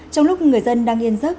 trong lúc người dân đang yên giấc